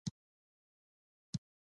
که به هر چا ورباندې ګوزار وکړ.